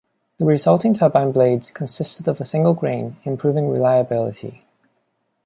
The resulting turbine blades consisted of a single grain, improving reliability.